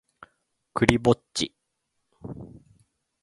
クリぼっち